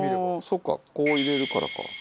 そうかこう入れるからか。